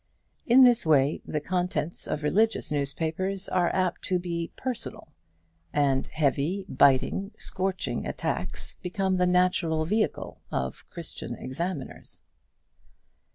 In this way the contents of religious newspapers are apt to be personal; and heavy, biting, scorching attacks, become the natural vehicle of Christian Examiners.